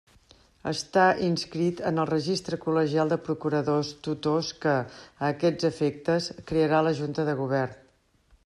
Estar inscrit en el registre col·legial de procuradors tutors que, a aquests efectes, crearà la Junta de Govern.